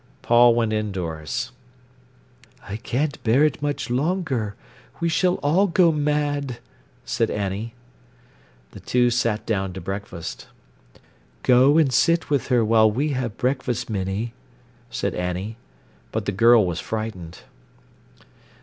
Paul went indoors. "I can't bear it much longer; we shall all go mad," said Annie. The two sat down to breakfast. "Go and sit with her while we have breakfast, Minnie," said Annie. But the girl was frightened.